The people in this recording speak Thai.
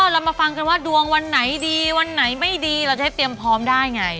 เรามาฟังกันว่าดวงวันไหนดีวันไหนไม่ดีเราจะได้เตรียมพร้อมได้ไง